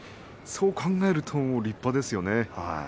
そう考えると立派ですよね。